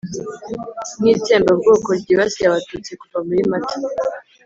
nk'itsembabwoko ryibasiye abatutsi kuva muri mata